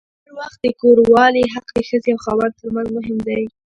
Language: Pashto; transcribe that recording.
هر وخت د کوروالې حق د ښځې او خاوند ترمنځ مهم دی.